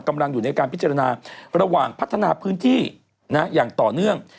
กำลังอยู่ในการพิจารณาระหว่างพัฒนาพื้นที่อย่างต่อเนื่อง